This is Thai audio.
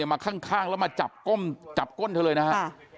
มาข้างแล้วมาจับก้นเธอเลยนะครับ